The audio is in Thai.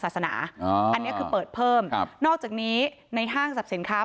ศาสนาอันนี้ก็เปิดเพิ่มครับนอกจากนี้ในห้างสับเสียงค้า